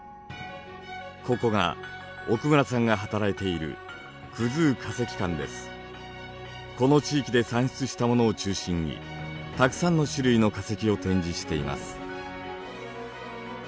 ここが奥村さんが働いているこの地域で産出したものを中心にたくさんの種類の化石を展示しています。